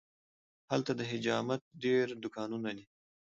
هلته د حجامت ډېر دوکانونه دي.